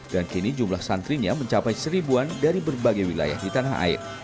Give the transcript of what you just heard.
dan kini jumlah santrinnya mencapai seribuan dari berbagai wilayah di tanah air